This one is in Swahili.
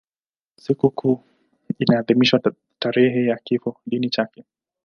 Sikukuu inaadhimishwa tarehe ya kifodini chake.